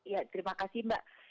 ya terima kasih mbak